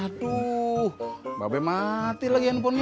aduh mbak be mati lagi handphonenya